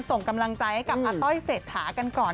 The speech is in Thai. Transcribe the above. ส่งกำลังใจให้กับอาต้อยเศรษฐากันก่อน